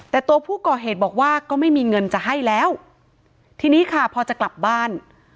แต่ตัวผู้ก่อเหตุบอกว่าก็ไม่มีเงินจะให้แล้วทีนี้ค่ะพอจะกลับบ้าน